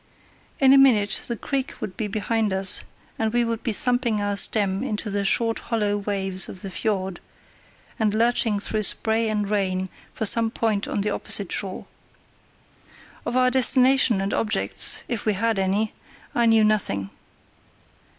In a minute the creek would be behind us and we would be thumping our stem into the short hollow waves of the fiord, and lurching through spray and rain for some point on the opposite shore. Of our destination and objects, if we had any, I knew nothing.